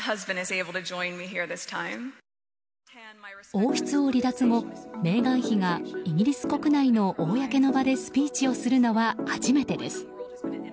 王室を離脱後メーガン妃がイギリス国内の公の場でスピーチをするのは初めてです。